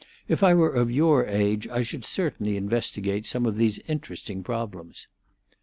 If I were of your age I should certainly investigate some of these interesting problems."